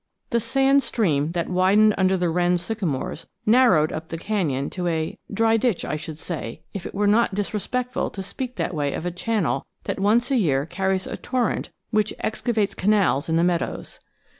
The (sand) stream that widened under the wren's sycamores narrowed up the canyon to a dry ditch, I should say, if it were not disrespectful to speak that way of a channel that once a year carries a torrent which excavates canals in the meadows.